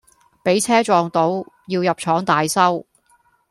畀車撞到，要入廠大修